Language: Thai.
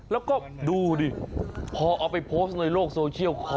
แล้วก็ดูดิพอเอาไปโพสต์ในโลกโซเชียล